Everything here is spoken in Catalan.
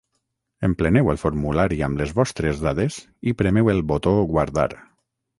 Empleneu el formulari amb les vostres dades i premeu el botó Guardar.